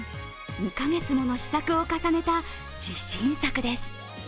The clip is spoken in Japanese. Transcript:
２カ月もの試作を重ねた自信作です